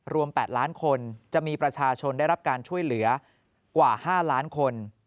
๘ล้านคนจะมีประชาชนได้รับการช่วยเหลือกว่า๕ล้านคน